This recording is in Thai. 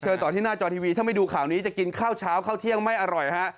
ต่อที่หน้าจอทีวีถ้าไม่ดูข่าวนี้จะกินข้าวเช้าข้าวเที่ยงไม่อร่อยฮะ